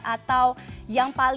atau yang paling gede